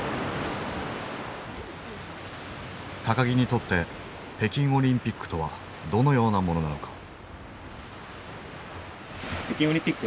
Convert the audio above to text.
木にとって北京オリンピックとはどのようなものなのか。